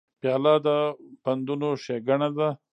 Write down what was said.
پیاله د پندونو ښیګڼه ده.